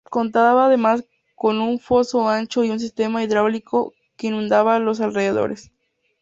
Contaba además con un foso ancho y un sistema hidráulico que inundaba los alrededores.